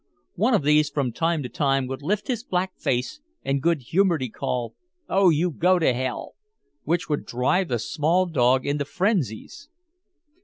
One of these from time to time would lift his black face and good humoredly call, "Oh, you go to hell" which would drive the small dog into frenzies.